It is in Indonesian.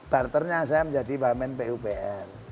barternya saya menjadi wamen pupr